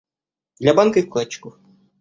Для банка и вкладчиков.